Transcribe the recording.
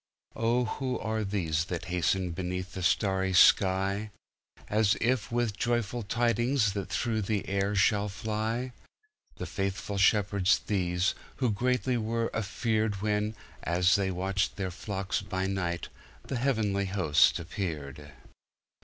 Oh, who are these that hasten beneath the starry sky, As if with joyful tidings that through the world shall fly? The faithful shepherds these, who greatly were afearedWhen, as they watched their flocks by night, the heavenly host appeared.